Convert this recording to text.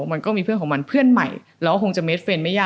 มันก็มีเพื่อนของมันเพื่อนใหม่เราก็คงจะเมสเรนไม่ยาก